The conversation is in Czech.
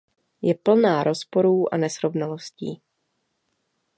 Je plná rozporů a nesrovnalostí.